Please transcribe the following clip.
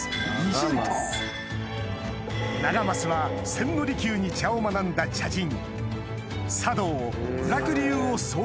２親等長益は千利休に茶を学んだ茶人